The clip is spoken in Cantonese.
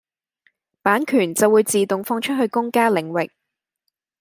版權就會自動放出去公家領域。